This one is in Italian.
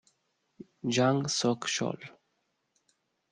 Jang Sok-chol